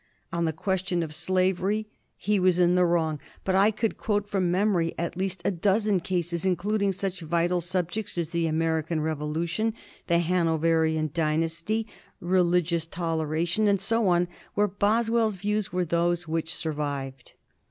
On the question of slavery he was in the wrong. But I could quote from memory at least a dozen cases, including such vital subjects as the American Revolution, the Hanoverian Dynasty, Religious Toleration, and so on, where Boswell's views were those which survived.